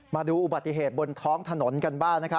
มาดูอุบัติเหตุบนท้องถนนกันบ้าง